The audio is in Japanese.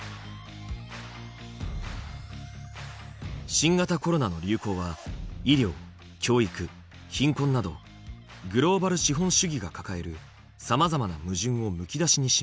新型コロナの流行は医療教育貧困などグローバル資本主義が抱えるさまざまな矛盾をむき出しにしました。